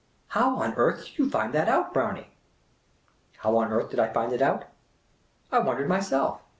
" How on earth did you find that out, Brownie ?" How on earth did I find it out ! I wondered myself.